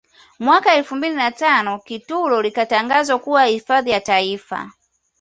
Mwaka elfu mbili na tano Kitulo likatangazwa kuwa hifadhi ya Taifa